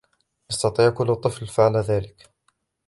يستطيع كل طفل فعل ذلك.